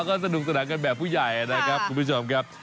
แล้วก็สนุกสนานกันแบบผู้ใหญ่นะครับคุณผู้ชมครับ